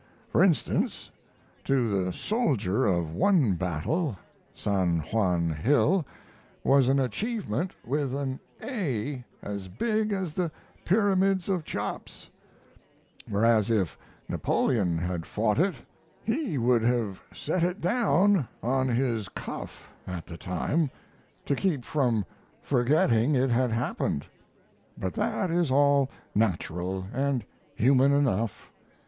For instance, to the soldier of one battle, San Juan Hill was an Achievement with an A as big as the Pyramids of Cheops; whereas, if Napoleon had fought it, he would have set it down on his cuff at the time to keep from forgetting it had happened. But that is all natural and human enough.